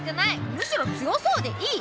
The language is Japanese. むしろ強そうでいい！